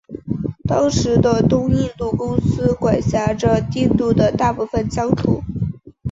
当时的东印度公司管辖着印度的大部分疆土。